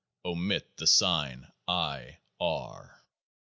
Omit the sign I. R.